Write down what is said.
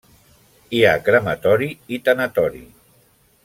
Hi ha crematori i tanatori.